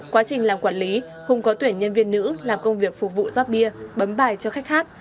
quá trình làm quản lý hùng có tuyển nhân viên nữ làm công việc phục vụ rót bia bấm bài cho khách hát